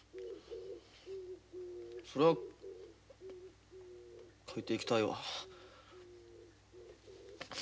それは描いていきたいわ。